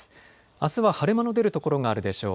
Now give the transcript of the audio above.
あすは晴れ間の出る所があるでしょう。